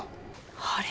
あれ？